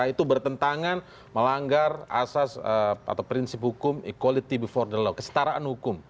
itu bertentangan melanggar asas atau prinsip hukum equality before the law kesetaraan hukum